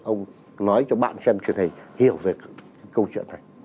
ông nói cho bạn xem truyền hình hiểu về câu chuyện này